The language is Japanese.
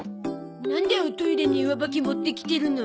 なんでおトイレに上履き持ってきてるの？